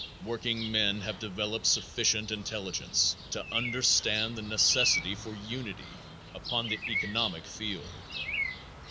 Workingmen have developed sufficient intelligence to understand the necessity for unity upon the economic field.